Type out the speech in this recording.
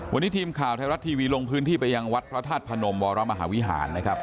วันนี้ทีมข่าวไทยรัฐทีวีลงพื้นที่ไปยังวัดพระธาตุพนมวรมหาวิหารนะครับ